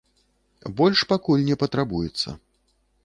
Больш пакуль не патрабуецца.